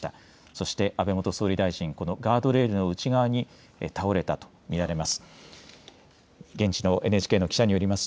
そして、安倍元総理大臣このガードレールの内側に倒れたとみられます。